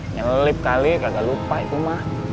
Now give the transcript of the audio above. nyelip kali kagak lupa itu mah